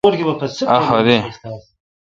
اؘ حد اؘئ۔